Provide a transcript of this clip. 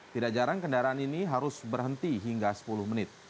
tidak jarang kendaraan ini harus berhenti hingga sepuluh menit